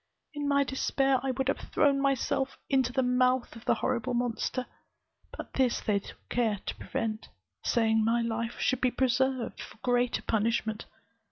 In my despair, I would have thrown myself also into the mouth of the horrible monster, but this they took care to prevent, saying my life should be preserved for greater punishment.